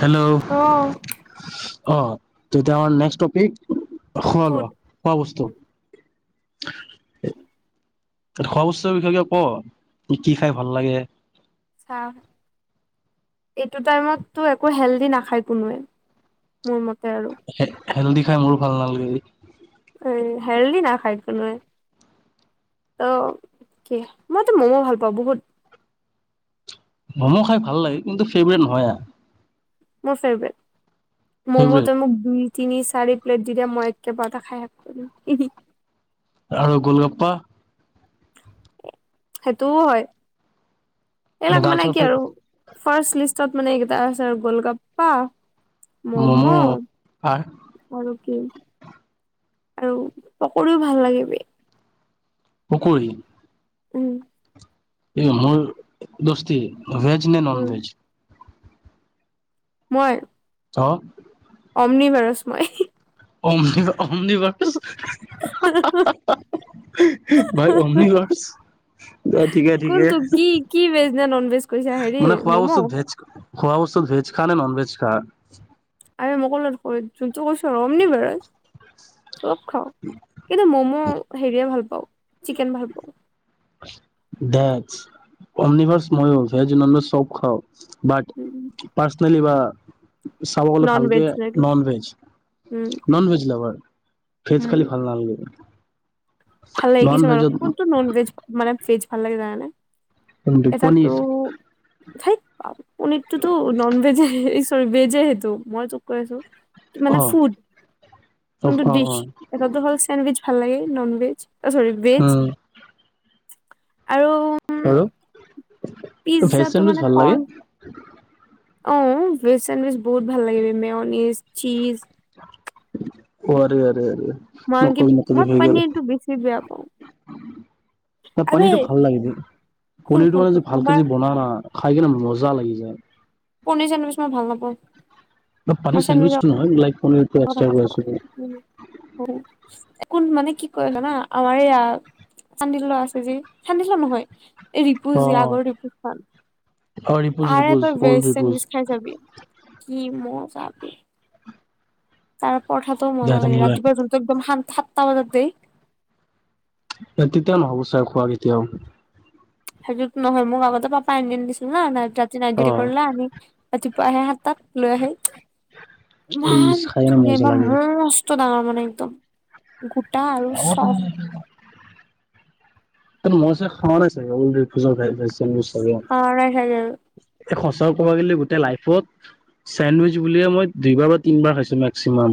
Hello অ, তেতিয়া আও নেক্সট টপিক খোৱা লোৱা, ফুড খোৱা বস্তু। হয় হয় খোৱা বস্তু বিষয় কিবা ক তোৰ কি খাই ভাল লাগে চাহ এইটো টাইমততো একো হেলডি নাখায় কোনোৱে, মোৰ মতে আৰু হেল্ডি খাই মোৰো ভাল নালাগে। এ হেলডদি নাখায় কোনোৱে ত কি মইতো মম' ভাল পাওঁ বহুত, মম' খাই ভাল লাগে কিন্তু ফেভাৰেট নহয় মোৰ ফেভেত ম'মো ফেভৰেট ত মোক দুই তিনি চাৰি প্লেট দিয়ে মই একেবাৰটে খাই শেষ কৰি দিম আৰু গোলগপ্পা সেইটোও হয় এইবিলাক মানে গাৰ্লছৰ কি আৰু, ফাৰ্ষ্ট লিষ্টত মানে এইকেইটা আছে গোলগাপ্পা ম'ম' মমো আৰু আৰু কি আৰু পকৰীও ভাল লাগে বে, পকৰী উম এই মোৰ দউস্তি। ভেজ নে নন উম ভেজ মই অ অম্নি বাৰচ মই কমটিছ। অমনিভচ ভাই অমনিভাৰ্চ ঠিকে ঠিকে কোনটো কি কি ভেজ নে নন ভেজ কৈছা হেৰি মানে খোৱা বস্তুত ম'ম' ভেজ খোৱা বস্তুত ভেজ খা নে নন ভেজ খা আৰে মই কলোয়ে যোনটো কৈছো অম্নী ভাৰ চব খাওঁ কিন্তু ম'ম' হেৰিয়ে ভাল পা প চিকেন ভাল পাওঁ দেটচ অম্ননিভাৰ মইও যিমান পাও চব খাওঁ বাট [unintelligible] [unintelligible] চাব গ'লে নন ভেজ ভালকে লাগে non veg um non veg লাবাৰ ভেজ উম খালি ভাল নালগে ভাল লাগিছে ম আৰু কোনটো নন ভেজ মানে ভেজ ভাল লাগে জানানে কিন্তু পনীৰ ঠাইত পাম অটোতো নন ভেজ [unintelligible] ভেজে সেইটো মই তোক কৈ আছো মানে অ ফুড অ অ কোনটো ডিছ অ এটাটো হল চেণ্ডউইচ ভাল লাগে ননভেজ চৰি ভেজ উম আৰু আৰু ভেজ পিজ্জাটো চেণ্ডউইচ ভাল লাগে অঁ ভেজ চেণ্ডউইজ বহুত ভাল লাগিব মেয়নিজ চীজ অঁ অঁৰে মই নক আনকি নক মই হৈ গল পনীৰটো বেছি বেয়া পাওঁ। ন আবে পানীৰটো ভাল লাগিল শুন পনীৰটো শুন মানে শুন যে আমাৰ ভালকে বন না খাই কিনে মজা লাগি যায় পনীৰ চেণ্ডউইচ মই ভাল নাপাওঁ মই পানীৰ চেণ্ডউইচৰ চেণ্ডউইচটো নহয় লাইক প পচ কথা গৈ কৈছোঁ। আছিল কোন মানে কি কৰিলা না আমাৰ ইয়া চান্দিল্য আছে যি চান্দিল্য নহয় এই ৰিপু জি আগৰ ৰিপু খান অঁ ৰিপুজ ৰিপুজ অ'ল্ড ৰিপুজ চাবি কি মজাবে তাৰ পৰঠাটো মজা লাগে ৰিপুজ ৰাতিপুৱা যোনটো একম শান্ত সাতটা বজাত দেই এ তেতিয়া নহ'ব চাগে খোৱা কেতিয়াও সেইটোত নহয় মোক আগতে পাপাই আনি আনি দিছিল হা [unintelligible] ৰাতি নাইট ডিউটি কৰিলে আনি [unintelligible] পায়হে সাতটাত লৈ আহে এই ইমান খাই ন ধুনীয়া মজা লাগে মস্ত ডাঙৰ মানে একদম গোটা আৰু ছফ্ট আগতে মই চ খাৱোৱা নাই চাগে অলদে ভোজৰ ৰাইদাই চেমিচ অ ৰা হেৰি সঁচা কব গ'লে গোটেই লাইফত চেডউইচ বুলিয়ে মই দুইবাৰ বা তিনিবাৰ খাইছো মেক্সিমাম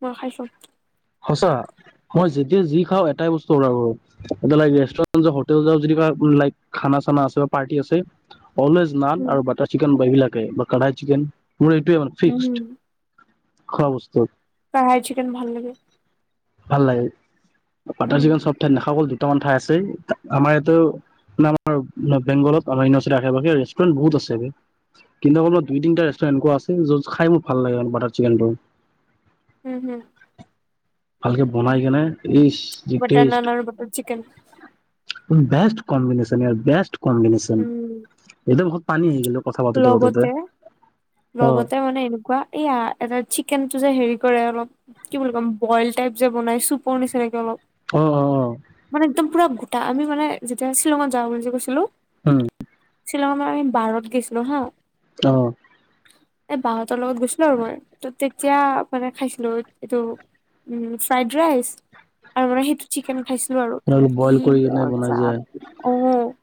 ম খাইছ সঁচা মই যেতিয়া যি খাওঁ এটাই বস্তু অৰ্ডাৰ কৰোৰে লাগে ৰেষ্টুৰেন হোটেল যাও খানা চানা আছে আছে অলজ নান উম আৰু বাটাৰ চিকেন এইবিলাক কাৰাই চিকেন মোৰ এইটোৱ হ'ল ফিস্ক উম খোৱা বস্তু কাহাই চিকেন ভাল লাগে ভাল লাগে পাটাৰ উম চিক চবঠাই নখা গলো ক্তামান ঠাই আছে আমাৰ ইয়াতে মে আমাৰ বেংগলত আমাৰ ইাৰ্চি আ ৰেষ্টুৰেণ্ট বহুত আছে কিন্তু অকল দুই তিনিটা ৰেষ্টুৰেণ্ট এনেকুৱা আছে য'ত খাই মোৰ ভাল লাগে বাটাৰ চিকেনটো উম হম ভালকে বনাই কেনে ই দি বাটাৰ টেষ্ট নান আৰু butter chicken best combination best combination um এইটো হ পানী আহি গলো লগতে অ লগতে মানে এনেকুৱা এয়া এটা চিকেন টো যে হেৰি কৰে অলপ কি বুলি কম বইল টাইপ যে বনাই চুপৰ নিচিনাকে অলপ অ' অ' অ' মানে একদম পুৰা গোটা আমি মানে যেতিয়া শ্বিলঙত যাওঁ বুলি কৈছিলো উম আাৰ বাৰত গেছো নহয় অহ অ এ বাহঁতৰ লগত গৈছিলো আৰু মই, ত' তেতিয়া মানে খাইছ দৈত এইটো, উ ফ্ৰাইদ ৰাইচ, আৰু মানে সিটো চিকেন ফ্ৰাই লোঁ আৰু, বইল কি কৰি কেনে বনাই মজা‌ যে অ'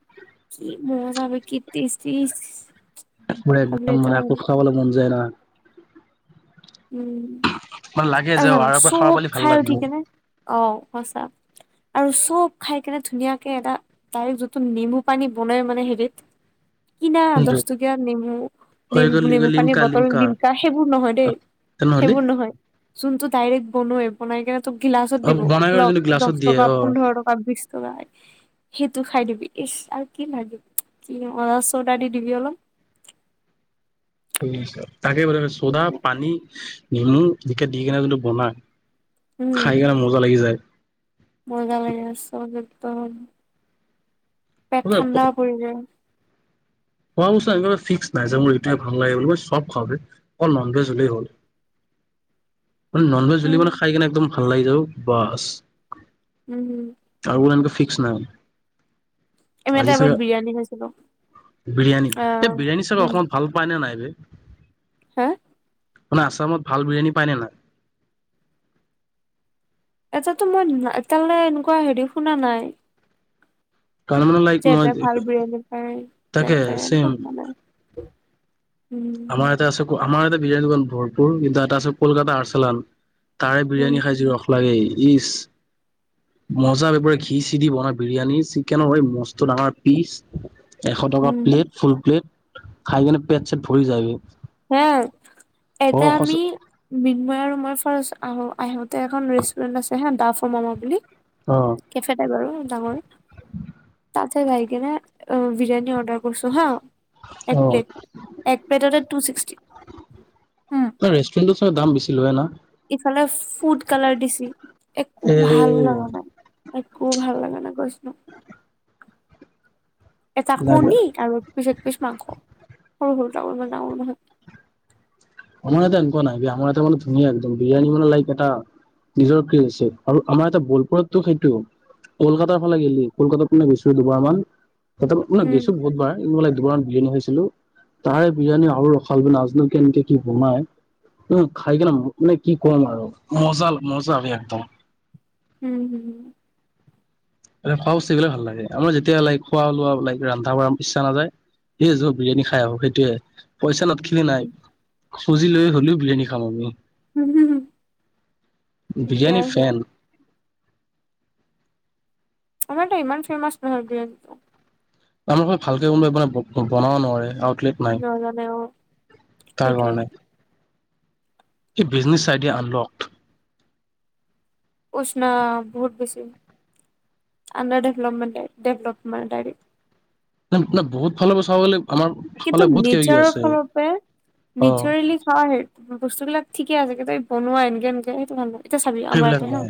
কি মজা বে, কি টেষ্টি! ভাবিলে একদম মান এতিয়া আকৌ হলো খাবলৈ মন যায় ন মানে লাগে উম যে আৰু [unintelligible] এবাৰ খাব চব পালে ভাল খাই লাগব উঠিকেনে, অ সঁচা আৰু চব খাই কেনে ধুনীয়াকে এটা, ডাইৰেক্ট যিটো নেমু পানী বনাই মানে হেৰিত কিনা কিন্তু দছ টকীয়া নেমু, হৈ নেম গ'ল নেমু পানীৰ লিমকা বটল লিমকা, সেইবোৰ নহয় দেই। তেনেহ'লে সেইবোৰ নহয়। জোনটো ডাইৰেক বনোৱা [unintelligible] তোক গিলাচত অ দিব, বনাই লক যোনটো দছ গ্লাছত দিয়ে টকা, অ পোন্ধৰ টকা, বিছ ট [unintelligible] সেইটো খাই দিবি, ইচ আৰু কি লাগে? [unintelligible] চৌদা দি দিবি অলপ। [inaudible] [unintelligible] চৌদা পানী নেমু দি‌ কে, দি কেনে জোনটো বনাই খাই কেনে মজা লাগি যায়! [inaudible] পন পেট ঠাণ্ডা পৰি যায়। খোৱা বস্তু একবাৰে ফিক্স নাই যে মোৰ এইটোৱেই ভাল লাগে বুলি, মই চব খাও অকল ননভেজ হ'লেই হ'ল। ননভেজ হল উম মানে খাই কিনে একদম ভাল লাগি যাব। বাছ উম। আৰু এনেকে ফিক্স নাই। আমি এটা এবাৰ বিৰিয়ানী খাইছিলো। বিৰিয়ানি আহ এই বিৰিয়ানী চাগে উম অসমত ভাল পায় নে? এ নাই হা? মানে আছামত ভাল বিৰিয়ানী পায়নে নাই? এটাতো মই এটা মানে এনেকুৱা হেৰি শুনা নাই। [unintelligible] [unintelligible] ছেম কত মানে? আমাৰ ইয়াতে আছে আমাৰ এটা বিৰিয়ানী দোকান ভৰপুৰ এয়া এটা আছে কলকাতা আৰচালান। তাৰে উম বিৰিয়ানি খাইছো যি ৰস লাগেই। ইচ মজা বেপৰে ঘি চি দি বন বিৰিয়ানি চিকেন হয় মস্ত ডাঙৰ পিচ। এশ টকা উম প্লেট ফুল প্লেট। খাই কেনে পেট ছেত উৰি যায় গৈ।। সেয়া আৰু এটা আমি বিনময় আৰু মাই ফাৰ্ষ্ট আহো আহোতে এখন ৰেষ্টুৰেণ্ট আছে হা ডা ফৰ মম বুলি। অ কেফে টাইপ আৰু। ডাঙৰ তাতে যাই কিনে অ বিৰিয়ানী অৰ্ডাৰ কৰিছো হা এক প্লেট এক প্লেটতে ৰেও অ ৰেষ্টুৰেণ্টত চাগে দাম বেছি লয় না ইফালে ফুড কালাৰ দিছি একো এ ভাল লগা নাই। একো ভাল লগা নাই। প্ৰশ্ন এটা নাই নাই, কণী আৰু পিছ এক পিছ মাংস সৰু সৰু তাকো ইমান ডাঙৰ নহয়। আমাৰ ইয়াতে এনেকুৱা নাই আমাৰ এটা মানে ধুনীয়া একদম বিৰিয়ানী মানে লাইক এটা নিজৰ ক মই টাইম পোৱা নাই আমাৰ এটা ধুনীয়া মানে একদম বিৰিয়ানি বনোৱা লাইক এটা নিজৰ ফ্ৰিৰি আছে। আৰু বলপুৰতটো সেইটো কলকাতাৰ ফালে গেলী, কলকাতাত পোনে গেছো দুবাৰ মান। তাতেই মানে উম গেছো বহুত বাৰ।। দুবাৰ মান বিৰিয়ানী খাইছিলো তাৰে বিৰিয়ানী আৰু ৰখাল বে নাজনো কেনকে।। কি বনাই উ খাই কানে মানে কি কম আৰু মজা মজা আ একদম। উম হম। তাতে খোৱা বস্তু গিলা ভাল লাগে। আমাৰ যেতিয়া লাইক খোৱা লোৱা বিলাক ৰান্ধা- বাঢ়া ইচ্ছা নাযায়‌ সে যো বিৰিয়ানী খাই আহো সেইটোৱে। পইচা নাচা দেখিলি নাই খুজি লৈ হ'লিও বিৰিয়ানী খাব আমি।। উম হুম হু। বিৰিয়ানী ফেন। আমাৰ ত ইমান ফেমচ নহয় বিৰিয়ানী।। আমাৰ ফালে ভালকে কোনো মানে বনাব নোৱাৰে বা।। নাজানেও তাৰ সেইটোৱে। কাৰণে। এই বিজনেছ আইডিয়া আনলকড। উচনা বহুত বেছি আণ্ডাৰ ডেভলপমেণ্টে ডেভলপমেণ্ট ডাইৰেক্ট ন বহুত ভাল হ'ব চাব গ'লে। আমাৰ কিন্তু ফালে বহুত কিবা কিবি নেচাৰৰ আছে। ফালৰ পেৰা অ' নেচাৰেলি ভাল বস্তুবিলাক। ঠিকেই আছে একেবাৰে বনোৱা একে এনেকে তোমালোক। এটা চাবেই আমাৰ সেইবিলাক এটা হে নাই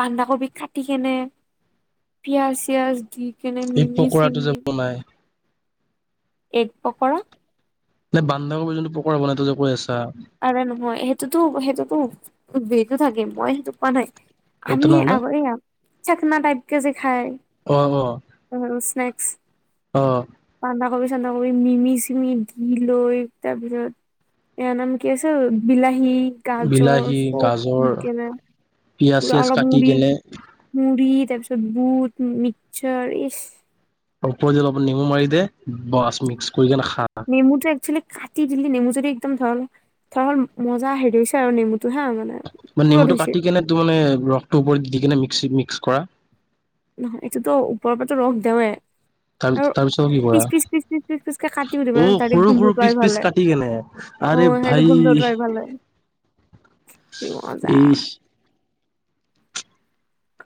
বান্ধাকবি কাটি কেনে পিয়াজ চিয়াজ দি।। কেনে এই মিমি পকোৰাটো যে বনাই।। এক পকৰা যে বান্ধাকবিৰ যোন পকৰা বনাই তই যে কৈ আছা? আৰে নহয় সেইটোতো সেইটোতো বিৰেডো থাকে মই সেইটো কোৱা নাই। আমি তেনেহ'লে আগলে যাম চখনা টাইপ কে আছে [unintelligible] খাই [inaudible] আহ বান্ধা কবি চান্দা কবি মিমি-চিমি দি লৈ তাৰপিছত এ নম কি আছে বিল বিলাহী গাজৰ বিলাহী, চপ [inaudible] গাজৰ, পিয়াজ চিয়াজ কাটি গলে তাৰপিছত বুট মিক্সসাৰ ইচ ওপৰদি অলপ নেমু মাৰি দে বাছ মিক্স লৈকেনে খা নেমুটো একচুৱেলি কাটি দিলি নেমুজদি একদম ধৰ ধৰল মজা হেৰি হৈছে আৰু নেমু মানে নেমুটো কাটি কেনে তো মানে ৰসটোৰ ওপৰত দি কিনে মিক্সিত্স [unintelligible] কৰা নহয় এইটোতো ওপৰৰ পৰা ৰস দেওৱে [unintelligible] তাৰ পিছত কি কৰা পিচ পিচকে কাটিও দিবা অ ডাইৰেক্ট সৰু সৰু গোন্ধটো আহি ভাল পিচ-পিচ লাগে কাটি কেনে অ আৰে সেইটো ভাই গোন্ধটো আহি ভাল লাগে কি মজা ই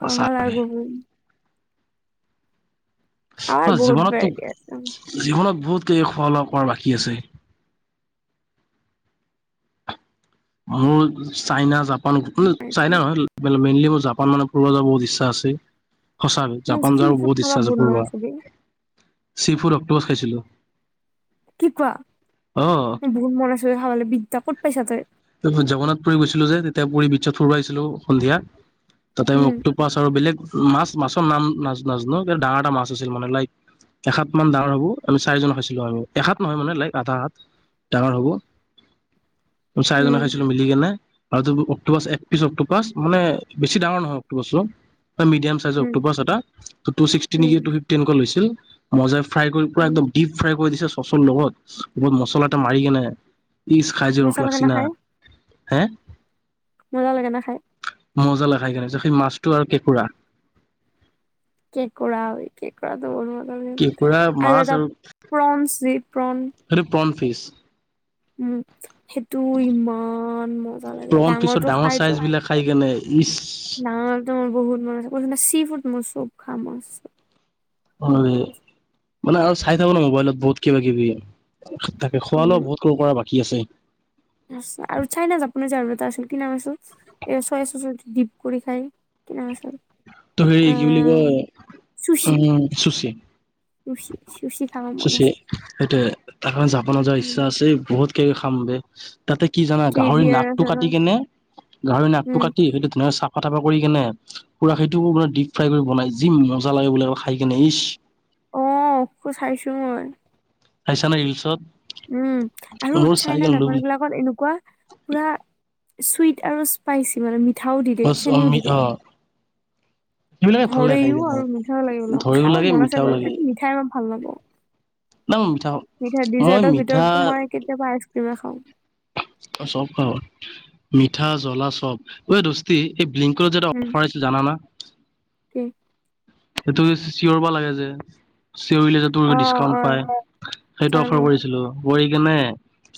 সঁচাকে খাৱাৰ অ বহুত জীৱনতো ভেৰাইটি আছে জীৱনত বহুত গোট শলকৰ বাকী আছে। মোৰ চাইনা জাপ কো চাই নহয় মানে মেইনলি ম জাপান মানে ফুৰব যাব বহুত ইচ্ছা আছে। সঁচাক মোৰ জাপান চি যোৱাৰো ফুড বহুত খাব ইচ্ছা আছে। মন ফূবা বে চি ফুড অক্টোপাছ খাইছিলো। কি কোৱা অ বহুত মন চ খাবালে বিদ্যা ক'ত পাইছা তই জগন্নাথ পুৰি গৈছিলো যে, তেতিয়া পুৰী বিশ্বত ফুৰুবাইছিলো সন্ধিয়া। তাতে উম অক্ট্ৰোপাছ আৰু বেলেগ মাছ-মাছৰ নাম নাজ নাজানো ডাঙৰ এটা মাছ আছিল। মানে লাইক এসাত মান ডাঙৰ হ'ব আমি চাৰিজন খাইছিলো আৰু এসাত নহয় মানে লাইক আধা হাত ডাঙৰ হ'ব। তম চাৰিজনে উম খাইছিলো মিলি কেনে আৰু অক্টোপাচ এক পিছ অক্টোপাচ মানে বেছি ডাঙৰ নহয় অক্টোপাছো হয় মিডিয়াম উম চাইজৰটোাছ এটা টু ছিক্সটিন উম ফিফটনকৈ লৈছিল। মজে ফ্ৰাই কৰি পোৰা উম একদম ডিপ ফ্ৰাই কৈ দিছে চচৰ লগত লগত মছলা এটা মাৰি কেনে ইজ খাজি ৰখ মজা লাগ লাগে না [inaudible] খাই হে? মজা লাগে না খাই? মজা লাগে খাইকেনে সেই মাছটো আৰু কেকোৰা। কেঁকোৰা হয় কেঁকোৰাটো ব, কি পুৰা মে আৰু মাছ এটা প্ৰনি প্ৰন অফিছ উম সেইটো ইমান মজা লাগে প্ৰন ফিচৰ ডাঙৰটো ডাঙৰ চাইজ খাইতো বিলাক খাই কেনে ইচ না তোমাৰ বহুত মান বানেি ফুড মই চব খাম ম হয় মানে আৰু চাই থাকো ন মোবাইলত বহুত কিবা কিবি তাকে খোৱালেও বহুত ক কৰা ব বাকী আছে, আ আৰু চাই না যপোনো জান এটা আচোন কি নাম আচোন এই চ চ ডিপ কৰিু় খায় কিনোচল ত হেৰি কি বুলি কয় চুচি উম চুচী চুচি চুচি খাব মন আছে সেইটোয়া তাৰ কাৰণে জাব ন যোৱাৰ উম ইচ্ছা আছে বহুত কে খাম তাতে কি জানা কে বি গাহৰি আৰ নাকটো আছে ন কাটি কেনে গাহৰি নাকটো উম কাটি সেইটো চ ফফা কৰি কেনে পুৰা খিটো ডিপ ফ্ৰাই কৰি বনাই যি মজা লাগে বো খাই কেনে ইচ অঁ খো চাইছুমান আহাইছান হিলছত, উম আৰু উৎসাহ নাই জাপান বিলাকত এনেকুৱা পুৰা চুইট আৰু স্পাইচি মানে ম বচম হ ভৰেও আৰু মিঠাইও লাগিব ল ধৈও খাব লাগে মন আছে বাৰু কিন্তু মিঠাই ভাল লাগা ন ম মিঠা মই মিঠা, বিবা খাওঁ অ' চব খওঁ মিঠা জ্বলা চব দস্তি এই ব্লিংক স্ যে উম অফাৰ আহছিল জানা কি সেইটো চিঞৰ বা লাগে যে চিঞৰিলে যে তোৰ অ ডিচকাউন্ট অ পাই সেইটো জানো অফাৰ কৰিছিলো, পৰি কেনে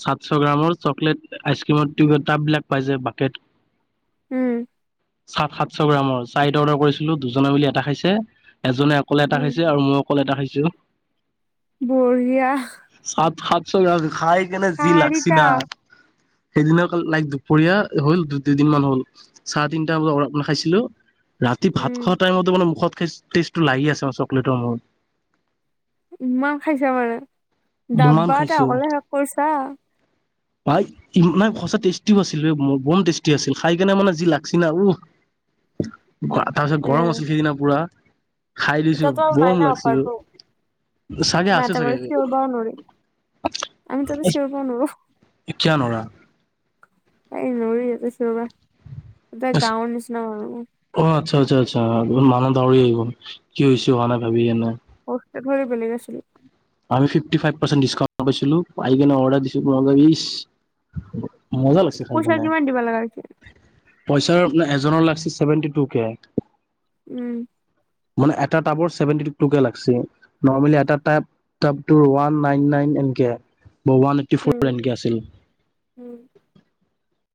সাতশ গ্ৰামৰ চকলেট আইচক্ৰীমৰ [unintelligible] টাব বিলাক পাই যে বাকেট উম সাতশ গ্ৰামৰ [unintelligible] অৰ্ডাৰ কৰিছিলো দুজনে মিলি এটা খাইছে এজনে অকলে এটা উম খাইছে আৰু মই অকল এটা খাইছো যিউ বঢ়িয়া [unintelligible] খাই কেনে যি লাগছি চাৰিটা না সেইদিনা কাল লাইক দুপৰীয়া হল দুই দুদিনমান হল চাৰে তিনটা বজাত অলপ খাইছিলো ৰাতি ভাত উম খোৱা টাইমতো মানে মুখত [unintelligible] টেষ্টটো লাগি আছে [unintelligible] চকলেটৰ [unintelligible] ইমান খাইছা মানে ইমান ডাব্বা এটা খাইছো অকলে শেষ কৰিছা পাই ইমান সঁচা টেষ্টিও আছিল বে বম টেষ্টি আছিল খাই কেনে মানে যি লাগছিল না উহ তাৰ পিছত গৰম আছিল সেইদিনা পুৰা খাই দিছো ইতিাতো আৰু নাই বম ন লাগছি অফাৰটো চাগে আমাৰ আছে এটা চাগে চিঞৰ বাও নোৱাৰি আমি ততো চিঞৰ বাও নৰো কিয়া নৰা? এই নৰি ইয়াতে চিঞৰবা কিবা গাওঁ নিচনা আৰু অ আচ্ছা আচ্ছা মানুহ দাউৰি আহি গ'ল কি হৈছে [unintelligible] নাই ভাবি কেনে [unintelligible] ধৰি বেলি গৈছিলি আমি ফিফটি ফাইভ পাৰচেন্ত ডিচকাউন্ত পাইছিলো আহি কিনে অৰ্ডাৰ দিছো মজা লাগিছে পইচা কিমান দিবা লাগা হৈছে। পইচাৰ [unintelligible] এজনৰ লাগিছিল চছেভেনটি টু কে। উম মানে এটা টাবৰ চেভেন্তি টু কে লাগছি, নৰমেলি এটা টাব টাবটো ওৱান নাইন নাইন এনকে আহে। ওৱান এইট্টি উম ফ'ৰ এনকে আছিল উম